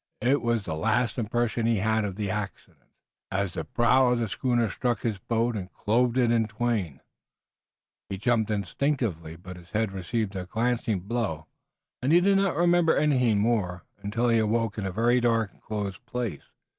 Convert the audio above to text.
It was the last impression he had of the incident, as the prow of the schooner struck his boat and clove it in twain. He jumped instinctively, but his head received a glancing blow, and he did not remember anything more until he awoke in a very dark and close place.